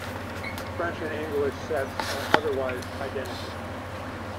The French and English sets are otherwise identical.